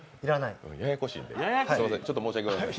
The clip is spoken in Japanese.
ややこしいんで、すいません、申し訳ございません。